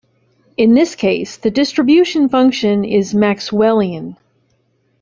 In this case, the distribution function is "Maxwellian".